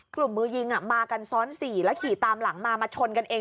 มือยิงมากันซ้อน๔แล้วขี่ตามหลังมามาชนกันเอง